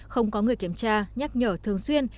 không có người kiểm tra nhắc nhở thường xuyên